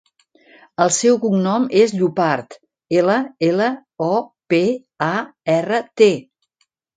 El seu cognom és Llopart: ela, ela, o, pe, a, erra, te.